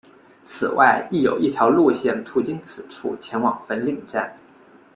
此外亦有一条路线途经此处前往粉岭站。